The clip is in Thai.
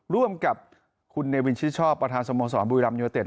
ร่วมกับคุณเนวินชิดชอบประธานสโมสรบุรีรัมยูเต็